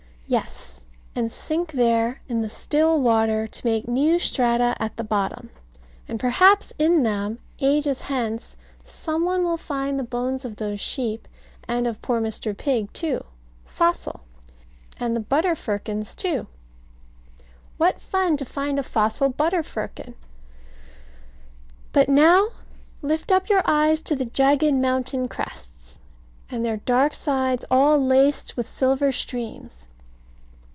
Yes, and sink there in the still water, to make new strata at the bottom; and perhaps in them, ages hence, some one will find the bones of those sheep, and of poor Mr. Pig too, fossil And the butter firkins too. What fun to find a fossil butter firkin! But now lift up your eyes to the jagged mountain crests, and their dark sides all laced with silver streams.